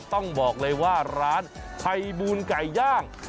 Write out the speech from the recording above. ต้องบอกเลยว่าร้านภัยบูลไก่ย่าง